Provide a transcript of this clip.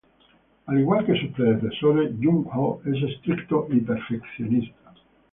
Al igual que sus predecesores, Jung Ho es estricto y perfeccionista.